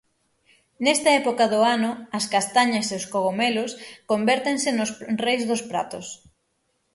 Nesta época do ano, as castañas e os cogomelos convértense nos reis dos pratos.